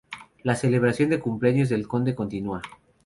La celebración del cumpleaños del conde continúa.